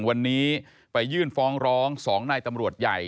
วันนี้ไปยื่นฟ้องร้อง๒นายตำรวจใหญ่